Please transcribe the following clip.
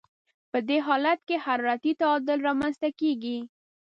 په دې حالت کې حرارتي تعادل رامنځته کیږي.